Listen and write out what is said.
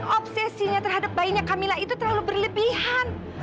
obsesinya terhadap bayinya camilla itu terlalu berlebihan